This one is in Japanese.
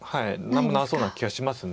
なさそうな気がします。